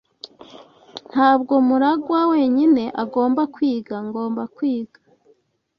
Ntabwo MuragwA wenyine agomba kwiga. Ngomba kwiga.